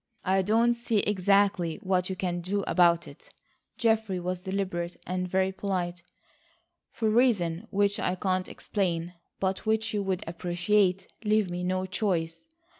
"I don't see exactly what you can do about it." Geoffrey was deliberate and very polite. "For reasons which I can't explain, but which you would appreciate, leave me no choice.